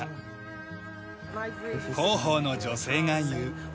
広報の女性が言う。